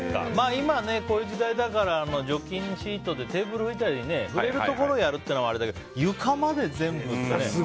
今はこういう時代だから除菌シートでテーブル拭いたり触れるところをやるっていうのはあれだけど床まで全部ってね。